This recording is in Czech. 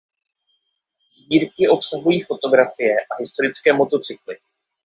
Sbírky obsahují fotografie a historické motocykly.